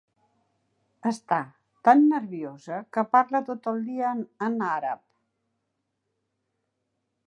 Està tan nerviosa que parla tot el dia en àrab.